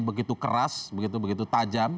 begitu keras begitu begitu tajam